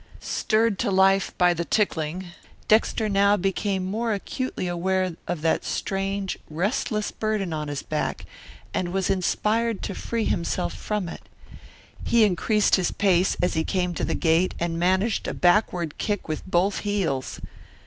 Stirred to life by the tickling, Dexter now became more acutely aware of that strange, restless burden on his back, and was inspired to free himself from it. He increased his pace as he came to the gate, and managed a backward kick with both heels.